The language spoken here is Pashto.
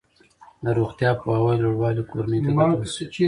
د روغتیايي پوهاوي لوړوالی کورنۍ ته ګټه رسوي.